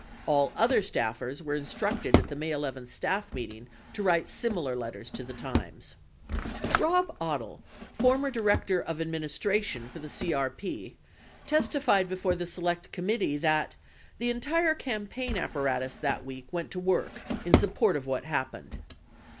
(All other staffers were instructed at the May 11 staff meeting to write similar letters to the Times) . 47 Rob Odle, former Director of Administraton for CRP, testified before the Select Committee that "[t]he entire campaign apparatus that week went to work in support of what happened."